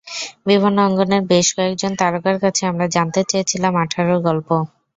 বিভিন্ন অঙ্গনের বেশ কয়েকজন তারকার কাছে আমরা জানতে চেয়েছিলাম আঠারোর গল্প।